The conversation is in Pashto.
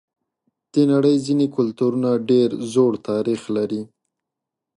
د نړۍ ځینې کلتورونه ډېر زوړ تاریخ لري.